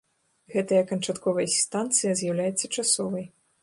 Гэтая канчатковая станцыя з'яўляецца часовай.